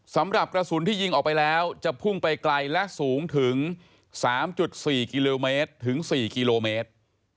สำหรับกระสุนที่ยิงออกไปแล้วจะพุ่งไปไกลและสูงถึง๓๔กิโลเมตรถึง๔กิโลเมตร